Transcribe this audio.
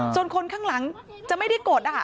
คนข้างหลังจะไม่ได้กด